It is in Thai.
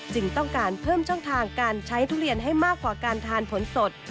ต้องการเพิ่มช่องทางการใช้ทุเรียนให้มากกว่าการทานผลสด